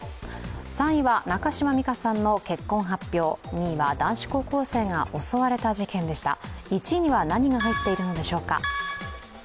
３位は中島美嘉さんの結婚発表、２位は男子高校生が襲われた事件でした、１位には何が入っているのでしょうか。